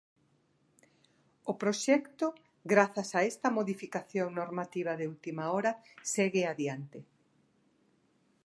O proxecto, grazas a esta modificación normativa de última hora, segue adiante.